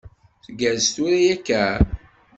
Tgerrez tura akka?